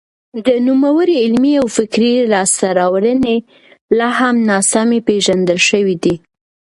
د نوموړي علمي او فکري لاسته راوړنې لا هم ناسمې پېژندل شوې دي.